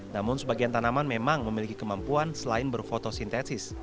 namun sebagian tanaman memang memiliki kemampuan selain berfotosintesis